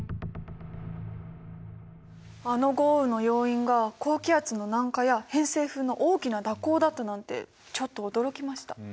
あの豪雨の要因が高気圧の南下や偏西風の大きな蛇行だったなんてちょっと驚きました。